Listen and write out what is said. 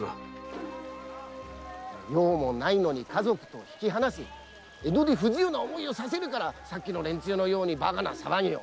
用もないのに家族と引き離し江戸で不自由な思いをさせるからさっきの連中のようにバカな騒ぎを。